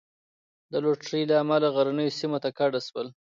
د لوټرۍ له امله غرنیو سیمو ته کډه شول.